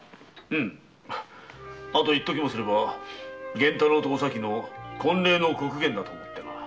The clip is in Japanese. あと一時もすれば二人の婚礼の刻限だと思ってな。